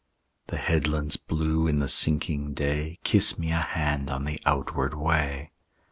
The headlands blue in the sinking day Kiss me a hand on the outward way.